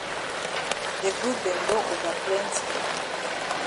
De group dem don ova plenti.